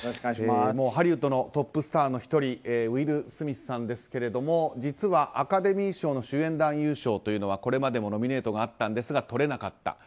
ハリウッドのトップスターの１人ウィル・スミスさんですが実はアカデミー賞の主演男優賞はこれまでもノミネートがあったんですがとれなかった。